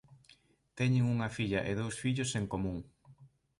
Teñen unha filla e dous fillos en común.